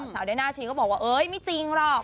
สาวแดยน่าชิ้นก็บอกว่าไม่จริงหรอก